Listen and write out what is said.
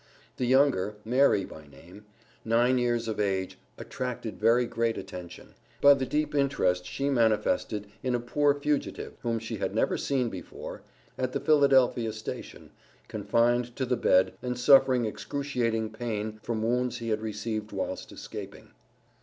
The younger, Mary by name, nine years of age, attracted very great attention, by the deep interest she manifested in a poor fugitive (whom she had never seen before), at the Philadelphia station, confined to the bed and suffering excruciating pain from wounds he had received whilst escaping.